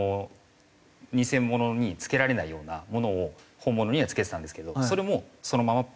偽物に付けられないようなものを本物には付けてたんですけどそれもそのまま。